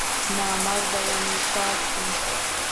نامراده وم، وصال شوم